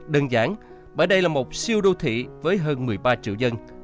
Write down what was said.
đơn giản bởi đây là một siêu đô thị với hơn một mươi ba triệu dân